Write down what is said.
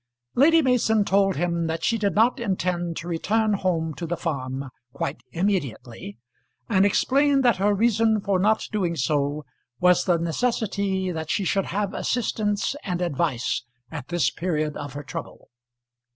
Lady Mason told him that she did not intend to return home to the Farm quite immediately, and explained that her reason for not doing so was the necessity that she should have assistance and advice at this period of her trouble.